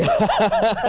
tetep aja ya